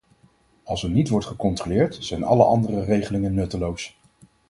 Als er niet wordt gecontroleerd, zijn alle andere regelingen nutteloos.